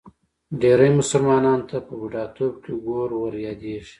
ډېری مسلمانانو ته په بوډاتوب کې ګور وریادېږي.